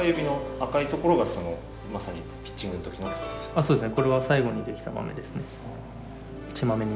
あっそうですね。